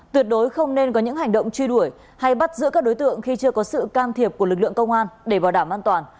tuyệt đối không nên có những hành động truy đuổi hay bắt giữ các đối tượng khi chưa có sự can thiệp của lực lượng công an để bảo đảm an toàn